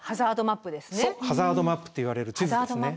そうハザードマップっていわれる地図ですね。